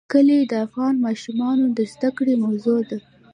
کلي د افغان ماشومانو د زده کړې موضوع ده.